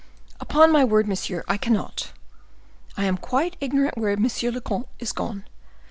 "Upon my word, monsieur, I cannot. I am quite ignorant where monsieur le comte is gone.